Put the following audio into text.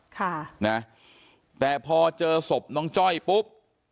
ค่ะนะแต่พอเจอศพน้องจ้อยปุ๊บ